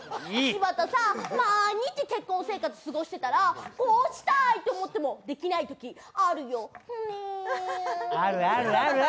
柴田さん、毎日結婚生活過ごしてたらこうしたいって思ってもできないって思うとき、あるよね。